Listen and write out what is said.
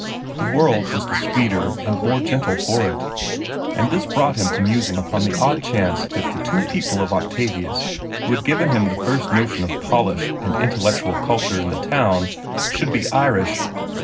The world was the sweeter and more gentle for it. And this brought him to musing upon the odd chance that the two people of Octavius who had given him the first notion of polish and intellectual culture in the town should be Irish.